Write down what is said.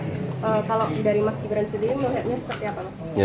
kalau dari mas gibran sendiri melihatnya seperti apa mas